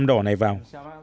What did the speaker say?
thêm đỏ này vào